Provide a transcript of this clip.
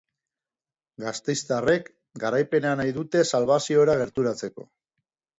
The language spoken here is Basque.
Gasteiztarrek garaipena nahi dute salbaziora gerturatzeko.